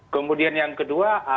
kemudian yang kedua